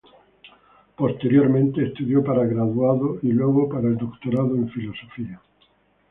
Posteriormente estudió para graduado y luego para el doctorado en filosofía.